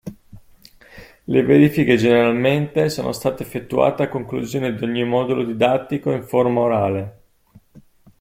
Le verifiche generalmente sono state effettuate a conclusione di ogni modulo didattico in forma orale.